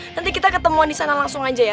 nanti kita ketemuan di sana langsung aja ya